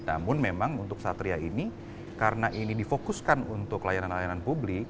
namun memang untuk satria ini karena ini difokuskan untuk layanan layanan publik